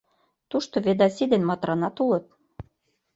Тушто Ведаси ден Матранат улыт.